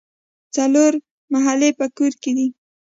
څلور محلې په کې دي.